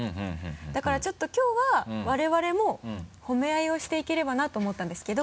だからちょっときょうは我々も褒め合いをしていければなと思ったんですけど。